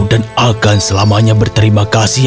dan akan selamanya berterima kasih